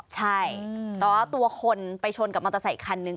ใช่แต่ว่าตัวคนไปชนกับมอเตอร์ไซคันนึง